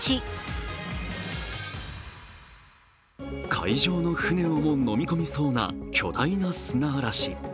海上の船をも飲み込みそうな巨大な砂嵐。